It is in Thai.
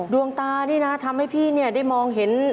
ดวงตานี่นะทำให้พี่ได้มองเห็น